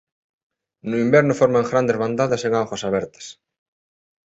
No inverno forman grandes bandadas en augas abertas.